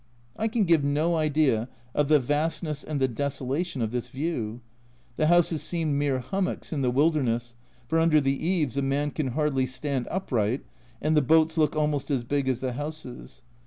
I can give no idea of the vastness and the desolation of this view. The houses seemed mere hummocks in the wilderness, for under the eaves a man can hardly stand upright, and the boats look almost as big as the houses.